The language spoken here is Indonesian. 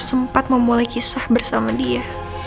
sempat memulai kisah bersama dia